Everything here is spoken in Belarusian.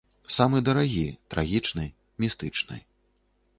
Самы дарагі, трагічны, містычны.